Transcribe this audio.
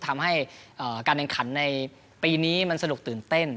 ทำให้การแข่งขันในปีนี้มันสนุกตื่นเต้น